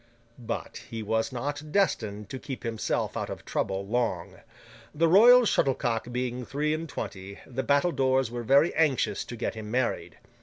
But, he was not destined to keep himself out of trouble long. The royal shuttlecock being three and twenty, the battledores were very anxious to get him married.